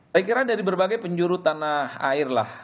saya kira dari berbagai penjuru tanah air lah